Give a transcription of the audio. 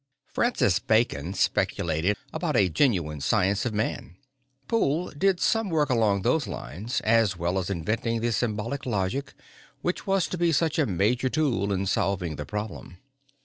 Francis Bacon speculated about a genuine science of man. Poole did some work along those lines as well as inventing the symbolic logic which was to be such a major tool in solving the problem.